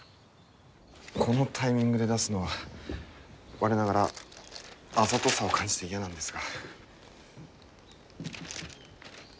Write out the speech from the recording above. このタイミングで出すのは我ながらあざとさを感じて嫌なんですが。